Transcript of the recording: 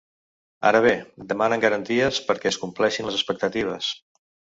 Ara bé, demanen garanties perquè es compleixin les expectatives.